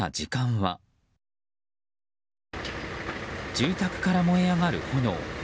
住宅から燃え上がる炎。